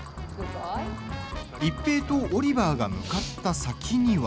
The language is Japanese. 一平とオリバーが向かった先には。